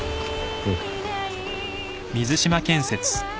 うん。